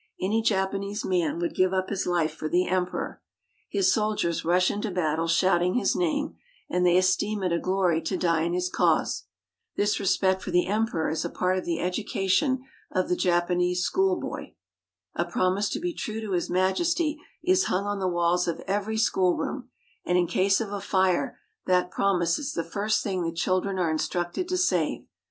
Any Japanese man would give up his life for the Emperor. His soldiers rush into battle shouting his name, and they esteem it a glory to die in his cause. This respect for the Emperor is a part of the education of the Japanese school boy. A promise to be true to His Majesty is hung on the walls of every schoolroom ; and in case of a fire that prom ise is the first thing the children are instructed to save.